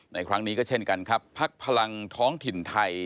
ในครั้งนี้ก็เช่นกันครับพักพลังท้องถิ่นไทย